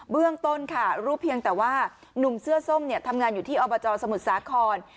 เรื่องต้นค่ะรู้เพียงแต่ว่านุ่มเสื้อส้มทำงานอยู่ที่อบจสมุทรสาคร